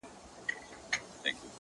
• ما د دريم ژوند وه اروا ته سجده وکړه ـ